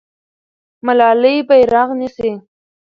ملالۍ بیرغ نیسي.